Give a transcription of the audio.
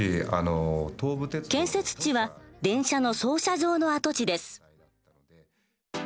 建設地は電車の操車場の跡地です。